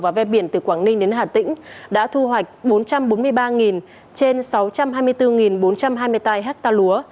và ven biển từ quảng ninh đến hà tĩnh đã thu hoạch bốn trăm bốn mươi ba trên sáu trăm hai mươi bốn bốn trăm hai mươi tám ha lúa